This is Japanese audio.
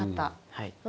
はい。